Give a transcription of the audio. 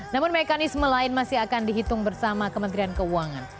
namun mekanisme lain masih akan dihitung bersama kementerian keuangan